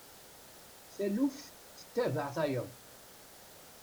Taluft tettabaε tayeḍ.